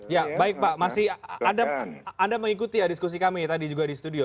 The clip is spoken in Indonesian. ya baik pak masih anda mengikuti diskusi kami tadi juga di studio